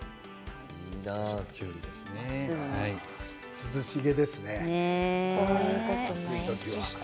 涼しげですね。